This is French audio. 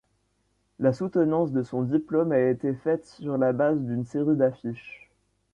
La soutenance de son diplôme a été faite sur la base d’une série d’affiches.